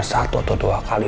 gua tandai duk al